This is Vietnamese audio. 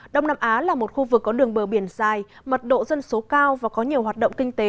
đông nam á là một khu vực có đường bờ biển dài mật độ dân số cao và có nhiều hoạt động kinh tế